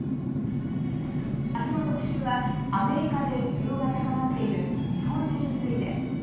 明日の特集はアメリカで需要が高まっている日本酒について。